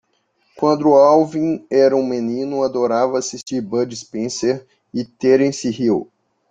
Quando Alvin era um menino, adorava assistir Bud Spencer e Terence Hill.